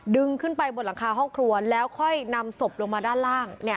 ขึ้นไปบนหลังคาห้องครัวแล้วค่อยนำศพลงมาด้านล่าง